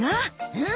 うん！